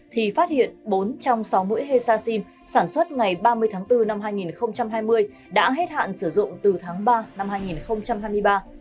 thì phát hiện bốn trong sáu mũi hezashim sản xuất ngày ba mươi tháng bốn năm hai nghìn hai mươi đã hết hạn sử dụng từ tháng ba năm hai nghìn hai mươi ba